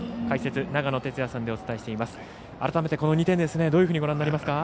解説、長野哲也さんでお伝えしています。